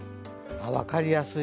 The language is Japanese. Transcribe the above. あ、分かりやすい。